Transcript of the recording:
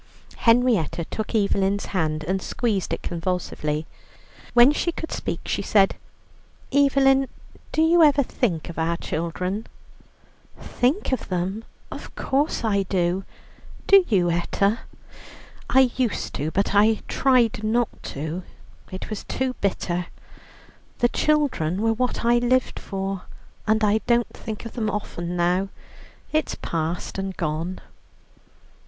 Henrietta took Evelyn's hand and squeezed it convulsively. When she could speak, she said: "Evelyn, do you ever think of our children?" "Think of them of course I do. Do you, Etta?" "I used to, but I tried not to it was too bitter. The children were what I lived for, and I don't think of them often now. It's past and gone."